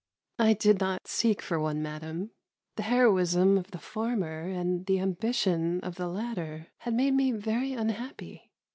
I did not seek for one, madam: the heroism of the former, and the ambition of the latter, had made me very unhappy.